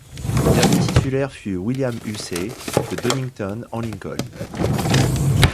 Le dernier titulaire fut William Hussey, de Doddington en Lincoln.